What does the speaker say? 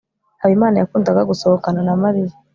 habimana yakundaga gusohokana na mariya